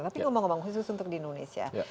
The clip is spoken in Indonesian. tapi ngomong ngomong khusus untuk di indonesia